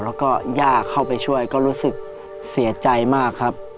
แล้วก็ย่าเข้าไปช่วยก็รู้สึกเสียใจมากครับ